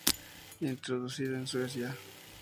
Introducida en Suecia.